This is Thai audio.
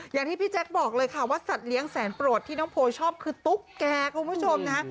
อย่างที่พี่แจ๊คบอกเลยค่ะว่าสัตว์แสนโปรดที่น้องโพยชอบคือตุ๊กแก่คุณผู้ชมนะฮะ